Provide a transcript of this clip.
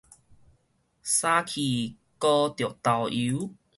衫去滒著豆油